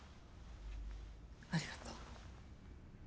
ありがとう。